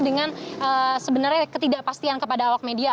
dengan sebenarnya ketidakpastian kepada awak media